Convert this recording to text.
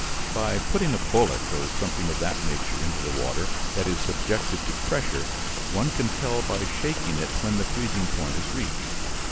By putting a bullet or something of that nature into the water that is subjected to pressure one can tell by shaking it when the freezing point is reached.